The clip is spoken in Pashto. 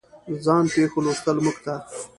د ځان پېښو لوستل موږ ته